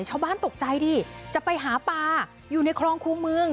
ชาวบ้านตกใจดิจะไปหาปลาอยู่ในคลองคู่เมือง